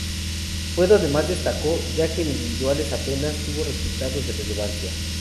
Fue donde más destacó, ya que en individuales apenas tuvo resultados de relevancia.